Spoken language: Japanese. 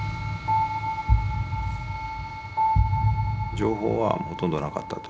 情報はほとんどなかったと。